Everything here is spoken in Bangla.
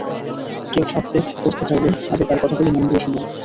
কেউ শপ ত্যাগ করতে চাইলে আগে তার কথাগুলো মন দিয়ে শুনুন!